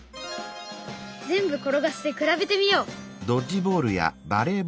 全部転がして比べてみよう！